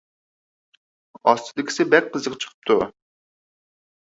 ئاستىدىكىسى بەك قىزىق چىقىپتۇ.